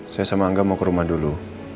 saya sama angga mau ke rumah dulu